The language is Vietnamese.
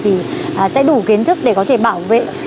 thì sẽ đủ kiến thức để có thể bảo vệ